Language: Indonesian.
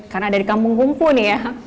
karena ada di kampung kungfu nih ya